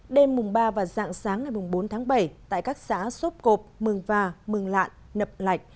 đêm mùng ba và dạng sáng ngày bốn tháng bảy tại các xã sốp cộp mường và mường lạn nập lạnh